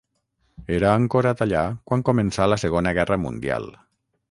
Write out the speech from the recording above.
Era ancorat allà quan començà la Segona Guerra Mundial.